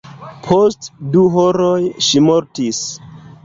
Post du horoj ŝi mortis.